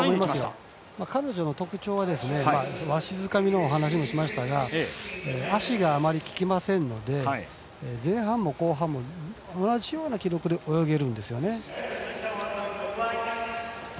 彼女の特徴はわしづかみのお話もしましたが足があまりききませんので前半も後半も同じような記録で泳げるんですよね。